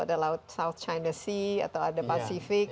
ada laut south china sea atau ada pasifik